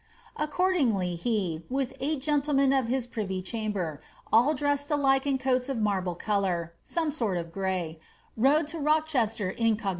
*'' Accordingly, he, with eight gentlemen of hia privy chamber, all dreaaed alike in coats of marble colour (aome aort of grey), rode to Rocheater incog.